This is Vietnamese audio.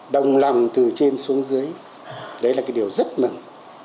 đồng lòng từ trên xuống dưới đấy là cái điều rất mừng